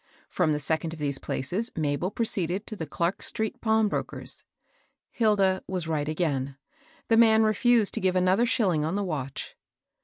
From the second of these places, Mabel pro ceeded to the Clark street pawnbroker's. Hilda was right again. The man refiised to give an other shilling on the watch.